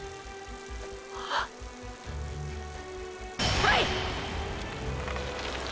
はい！！